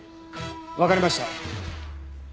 わかりました。